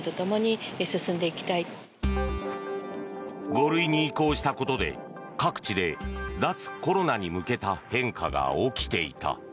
５類に移行したことで各地で脱コロナに向けた変化が起きていた。